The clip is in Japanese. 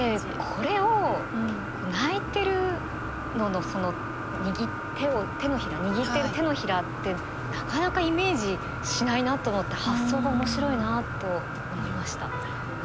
これを泣いてるののその握ってる手のひらってなかなかイメージしないなと思って発想が面白いなと思いました。